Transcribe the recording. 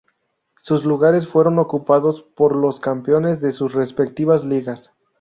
Sus lugares fueron ocupados por los campeones de sus respectivas ligas.